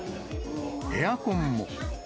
エアコンも。